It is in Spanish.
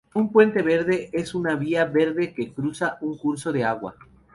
Un puente verde es una vía verde que cruza un curso de agua.